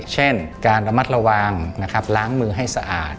เช่นการระมัดระวังนะครับล้างมือให้สะอาด